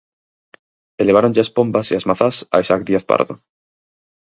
E leváronlle as pombas e as mazás a Isaac Díaz Pardo.